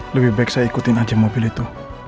lebih baik saya ikutin aja mobil itu